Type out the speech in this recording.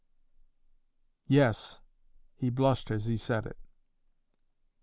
"Yes." He blushed as he said it.